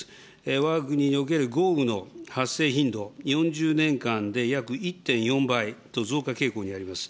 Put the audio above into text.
わが国における豪雨の発生頻度、４０年間で約１．４倍と増加傾向にあります。